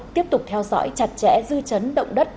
tiếp tục theo dõi chặt chẽ dư chấn động đất